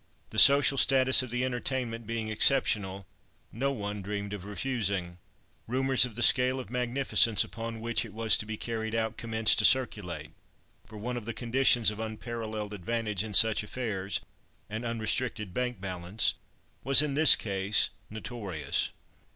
The social status of the entertainment being exceptional, no one dreamed of refusing. Rumours of the scale of magnificence upon which it was to be carried out commenced to circulate—for one of the conditions of unparalleled advantage in such affairs, an unrestricted bank balance, was in this case notorious.